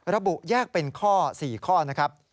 แยกเป็นข้อ๔ข้อนะครับ